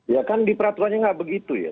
ya kan di peraturan itu tidak begitu ya